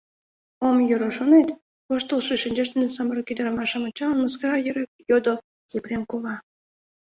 Ом йӧрӧ, шонет? — воштылшо шинчаж дене самырык ӱдрамашым ончалын, мыскара йӧре йодо Епрем кува.